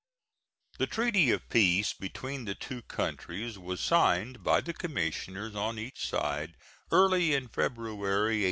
The treaty of peace between the two countries was signed by the commissioners of each side early in February, 1848.